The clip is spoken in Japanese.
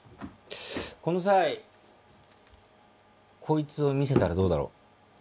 この際こいつを見せたらどうだろう？